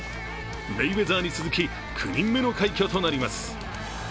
メイウェザーに続き、９人目の快挙となります。